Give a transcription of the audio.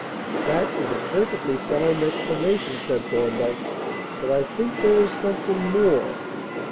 "That is a perfectly sound explanation," said Thorndyke. "But I think there is something more.